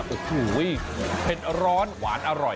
โอ้โหเผ็ดร้อนหวานอร่อย